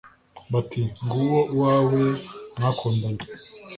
bati Ng’uwo uwawe mwakundanye